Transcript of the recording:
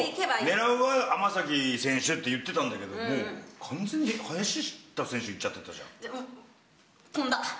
狙うは天咲選手って言ってたんだけども、完全に林下選手いっちゃ飛んだ。